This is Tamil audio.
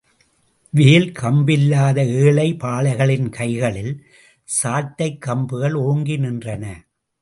வேல் கம்பில்லாத ஏழை பாழைகளின் கைகளில் சாட்டைக்கம்புகள் ஓங்கி நின்றன.